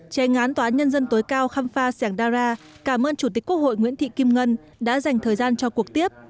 trên ngán tòa án nhân dân tối cao kham pha sàng đa ra cảm ơn chủ tịch quốc hội nguyễn thị kim ngân đã dành thời gian cho cuộc tiếp